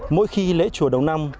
mỗi khi lễ chùa đồng năm